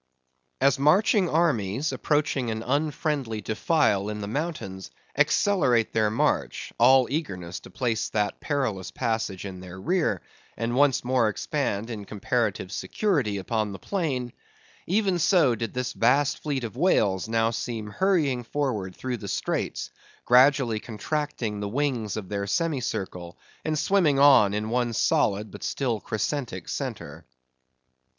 As marching armies approaching an unfriendly defile in the mountains, accelerate their march, all eagerness to place that perilous passage in their rear, and once more expand in comparative security upon the plain; even so did this vast fleet of whales now seem hurrying forward through the straits; gradually contracting the wings of their semicircle, and swimming on, in one solid, but still crescentic centre.